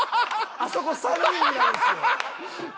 あそこ３人になるんですよ。